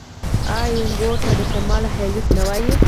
آیا وینکوور ته د شمال هالیوډ نه وايي؟